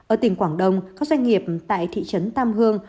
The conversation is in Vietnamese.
ở tỉnh quảng đông các doanh nghiệp tại thị trấn tam hương